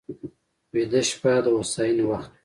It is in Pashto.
ویده شپه د هوساینې وخت وي